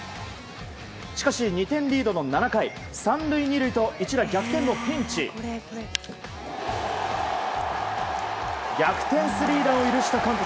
しかし、２点リードの７回３塁２塁と一打逆転のピンチ。逆転スリーランを許した韓国。